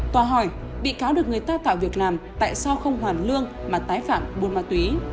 tòa hỏi bị cáo được người ta tạo việc làm tại sao không hoàn lương mà tái phạm buôn ma túy